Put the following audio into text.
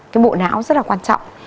cái bộ não rất là quan trọng